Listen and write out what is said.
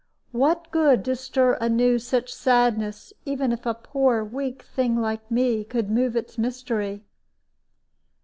What good to stir anew such sadness, even if a poor weak thing like me could move its mystery?